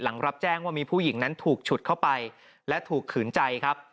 รับแจ้งว่ามีผู้หญิงนั้นถูกฉุดเข้าไปและถูกขืนใจครับ